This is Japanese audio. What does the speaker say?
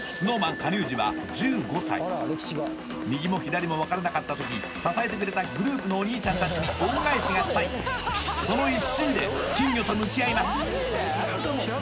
右も左もわからなかった時支えてくれたグループのお兄ちゃんたちに恩返しがしたいその一心で金魚と向き合います